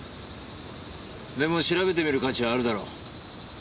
でも調べてみる価値はあるだろ。